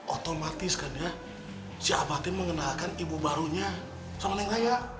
otomatis kan ya si abatin mengenalkan ibu barunya sama neng raya